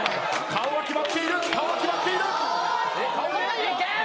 顔は決まっている。